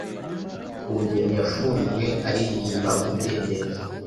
ku nyoni yafunzwe aririmba umudendezo